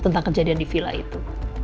tentang kejadian di villa itu